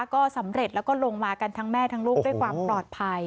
ก็สำเร็จแล้วก็ลงมากันทั้งแม่ทั้งลูกด้วยความปลอดภัย